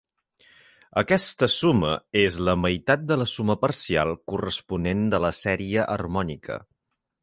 Aquesta suma és la meitat de la suma parcial corresponent de la sèrie harmònica.